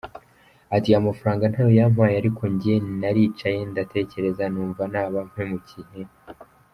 Ati “Amafaranga ntayo yampaye ariko nanjye naricaye ndatekereza numva naba mpemukiye M.